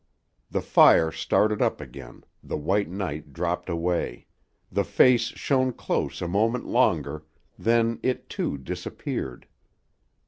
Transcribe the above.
The fire started up again, the white night dropped away, the face shone close a moment longer, then it too disappeared.